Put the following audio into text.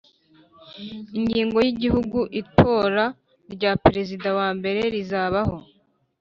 Ingingo y Igihe itora rya Perezida wa mbere rizabaho